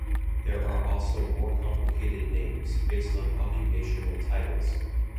There are also more complicated names based on occupational titles.